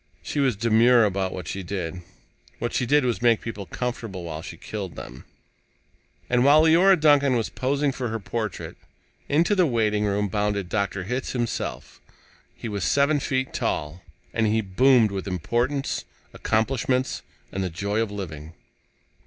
She was demure about what she did. What she did was make people comfortable while she killed them. And, while Leora Duncan was posing for her portrait, into the waitingroom bounded Dr. Hitz himself. He was seven feet tall, and he boomed with importance, accomplishments, and the joy of living.